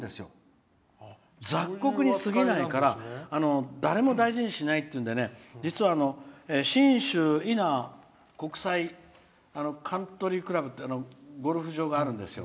雑穀に過ぎないから誰も大事にしないっていうんで実は信州伊那国際カントリークラブっていうゴルフ場があるんですよ。